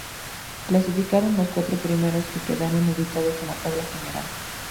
Clasificaron los cuatro primeros que quedaron ubicados en la tabla general.